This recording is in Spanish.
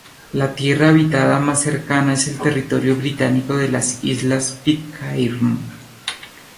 La tierra habitada más cercana es el territorio británico de las Islas Pitcairn.